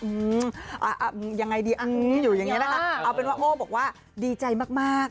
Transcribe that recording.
อืมอ่ายังไงดีอ่ะอยู่อย่างเงี้นะคะเอาเป็นว่าโอ้บอกว่าดีใจมากมาก